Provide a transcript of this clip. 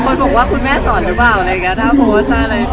คนบอกว่าคุณแม่สอนหรือเปล่าถ้าโพสต์อะไร